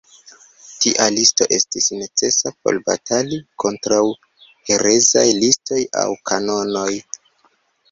Tia listo estis necesa por batali kontraŭ herezaj listoj aŭ kanonoj.